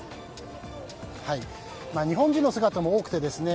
日本人の姿も多くてですね